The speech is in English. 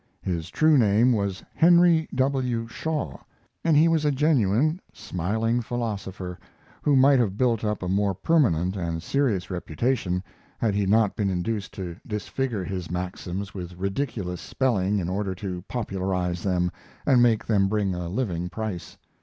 His true name was Henry W. Shaw, and he was a genuine, smiling philosopher, who might have built up a more permanent and serious reputation had he not been induced to disfigure his maxims with ridiculous spelling in order to popularize them and make them bring a living price.